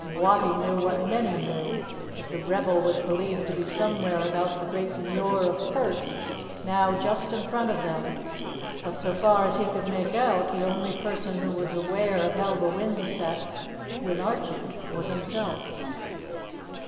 Wattie knew what many knew that the rebel was believed to be somewhere about the great Muir of Pert, now just in front of them, but so far as he could make out, the only person who was aware of how the wind set with Archie was himself.